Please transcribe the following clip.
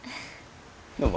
どうも。